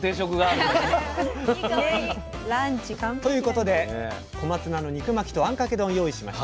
いい香り！ということで小松菜の肉巻きとあんかけ丼用意しました。